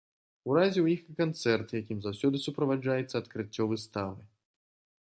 Уразіў іх і канцэрт, якім заўсёды суправаджаецца адкрыццё выставы.